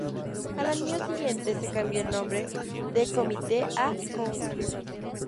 Al año siguiente se cambia el nombre de "Committee" a "Council".